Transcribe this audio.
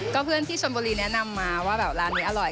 ก็เพื่อนที่ชนบุรีแนะนำมาว่าแบบร้านนี้อร่อย